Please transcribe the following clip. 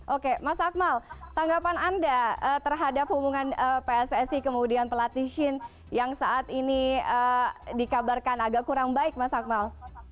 oke mas akmal tanggapan anda terhadap hubungan pssi kemudian pelatih shin yang saat ini dikabarkan agak kurang baik mas akmal